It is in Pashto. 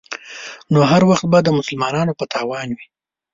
نو هر وخت به د مسلمان په تاوان وي.